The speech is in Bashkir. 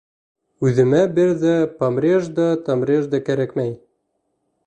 Үҙемә бер ҙә помреж да, томреж да кәрәкмәй.